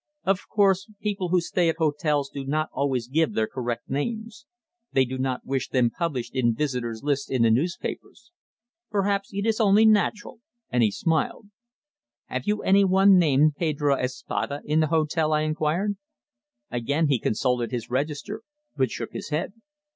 "Of course people who stay at hotels do not always give their correct names. They do not wish them published in visitors' lists in the newspapers. Perhaps it is only natural," and he smiled. "Have you any one named Pedro Espada in the hotel?" I inquired. Again he consulted his register, but shook his head.